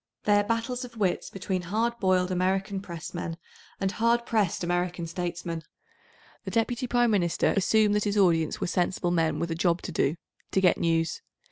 They are battles of wits between hard boiled American Pressmen and hard pressed American statesmen. The Deputy Prime Minister assumed that his audience were sensible men with a job todo—to get news.